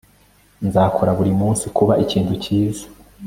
Nzakora buri munsi kuba ikintu cyiza